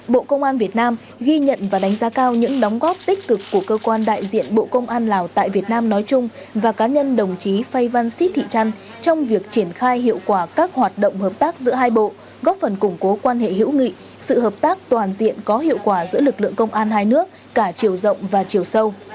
bộ công an việt nam ghi nhận và đánh giá cao những đóng góp tích cực của cơ quan đại diện bộ công an lào tại việt nam nói chung và cá nhân đồng chí phay văn xít thị trăn trong việc triển khai hiệu quả các hoạt động hợp tác giữa hai bộ góp phần củng cố quan hệ hữu nghị sự hợp tác toàn diện có hiệu quả giữa lực lượng công an hai nước cả chiều rộng và chiều sâu